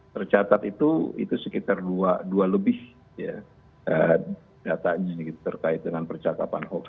percatat itu sekitar dua lebih data terkait dengan percatatan hoax